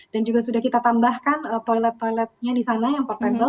juga sudah kita tambahkan toilet toiletnya di sana yang portable